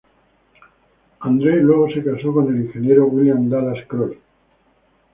Andre luego se casó con el ingeniero William Dallas Cross, Jr.